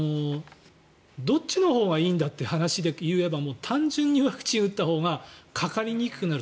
どっちのほうがいいんだって話でいえば単純にワクチン打ったほうがかかりにくくなる。